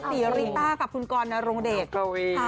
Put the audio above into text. รีริต้ากับคุณกรนรงเดช